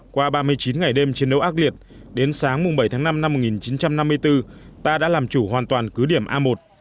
qua ba mươi chín ngày đêm chiến đấu ác liệt đến sáng bảy tháng năm năm một nghìn chín trăm năm mươi bốn ta đã làm chủ hoàn toàn cứ điểm a một